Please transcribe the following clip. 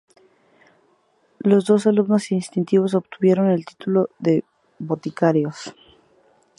Los dos alumnos inscritos obtuvieron el título de boticarios.